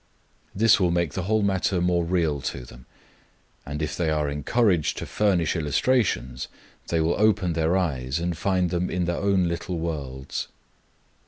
This will make the whole matter more real to them, and, if they are encouraged to furnish illustrations, they will open their eyes and find them in their own little worlds.